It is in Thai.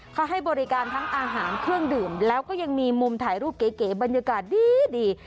เขาให้บริการทั้งอาหารเครื่องดื่มแล้วก็ยังมีมุมถ่ายรูปเก๋บรรยากาศดี